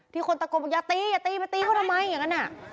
ที่คนตะกดบอกอย่าตีอย่าตีไปตีเขาทำไมอย่างนั้นอ่ะ